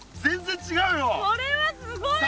これはすごいよ。